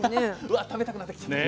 わっ食べたくなってきちゃった。